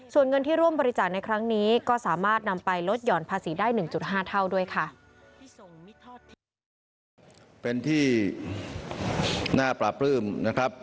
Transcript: ส่วนเงินที่ร่วมบริจาคในครั้งนี้ก็สามารถนำไปลดหย่อนภาษีได้๑๕เท่าด้วยค่ะ